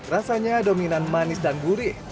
rasanya dominan manis dan gurih